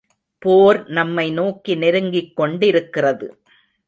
போர் நம்மை நோக்கி நெருங்கிக் கொண்டிருக்கிறது.